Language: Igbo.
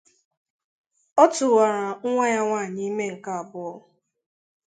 Ọ tụwara nwa ya nwaanyị ime nke abụọ